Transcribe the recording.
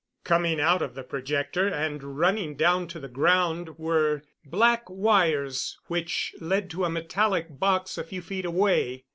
Coming out of the projector and running down to the ground were black wires, which led to a metallic box a few feet away.